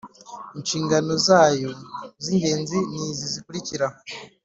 Inshingano zayo z ingenzi ni izi zikurikira